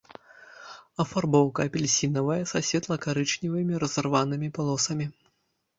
Афарбоўка апельсінавая са светла-карычневымі разарванымі палосамі.